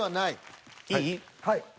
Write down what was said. いい？